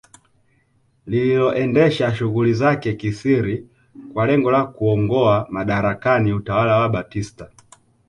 Lililoendesha shughuli zake kisiri kwa lengo la kuungoa madarakani utawala wa Batista